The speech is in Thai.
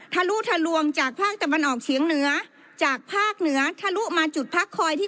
ทะลุทะลวงจากภาคตะวันออกเฉียงเหนือจากภาคเหนือทะลุมาจุดพักคอยที่